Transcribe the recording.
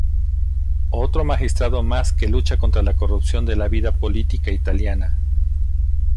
Otro magistrado más que lucha contra la corrupción de la vida política italiana.